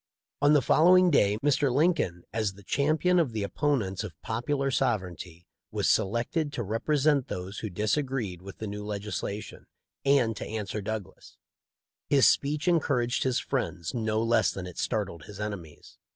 On the fol lowing day Mr. Lincoln, as the champion of the opponents of Popular Sovereignty, was selected to represent those who disagreed with the new legisla tion, and to answer Douglas. His speech encouraged his friends no less than it startled his enemies.